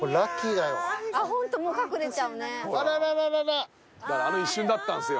だからあの一瞬だったんですよ。